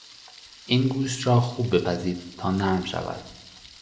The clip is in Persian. این گوشت را خوب بپزید تا نرم شود.